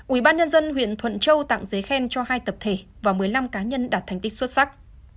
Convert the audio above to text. ubnd huyện thuận châu tặng giấy khen cho hai tập thể và một mươi năm cá nhân đạt thành tích xuất sắc